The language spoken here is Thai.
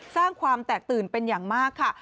สร้างความแตกตื่นเป็นอย่างมากค่ะ